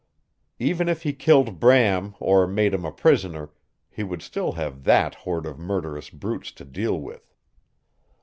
Even if he killed Bram or made him a prisoner he would still have that horde of murderous brutes to deal with.